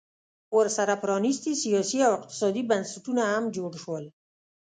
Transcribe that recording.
ورسره پرانیستي سیاسي او اقتصادي بنسټونه هم جوړ شول